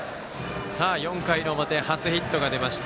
４回の表初ヒットがでました。